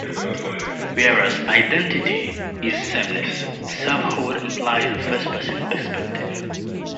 Whereas "identity" is sameness, self-hood implies a first-person perspective.